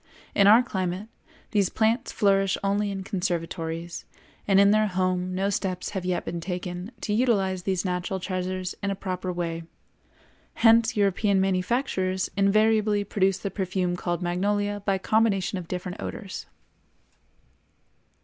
In our climate these plants flourish only in conservatories, and in their home no steps have yet been taken to utilize these natural treasures in a proper way; hence European manufacturers invariably produce the perfume called magnolia by combination of different odors.